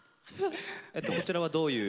こちらはどういう？